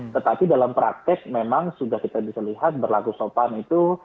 tetapi dalam praktek memang sudah kita bisa lihat berlaku sopan itu